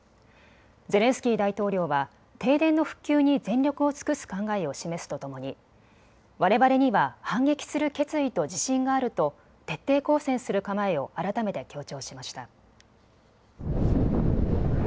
ゼレンスキー大統領は停電の復旧に全力を尽くす考えを示すとともにわれわれには反撃する決意と自信があると徹底抗戦する構えを改めて強調しました。